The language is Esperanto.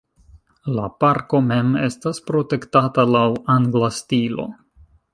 La parko mem estas protektata laŭ angla stilo.